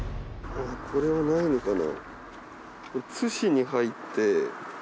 これはないのかな？